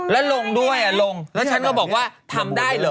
แล้วลงด้วยลงแล้วฉันก็บอกว่าทำได้เหรอ